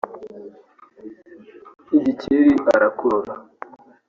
Gikeli arakorora